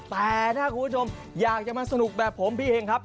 แต่ถ้าคุณผู้ชมอยากจะมาสนุกแบบผมพี่เฮงครับ